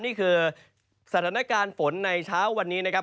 นี่คือสถานการณ์ฝนในเช้าวันนี้นะครับ